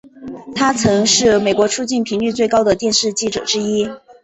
他曾是美国出境频率最高的电视记者之一。